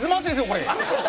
これ。